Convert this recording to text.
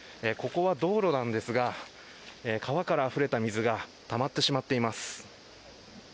ここは道路なんですが川からあふれた水がたまってしまっています。